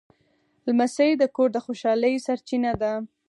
لمسی د کور د خوشحالۍ سرچینه ده.